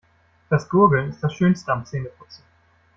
Das Gurgeln ist das Schönste am Zähneputzen.